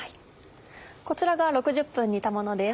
こちらが６０分煮たものです。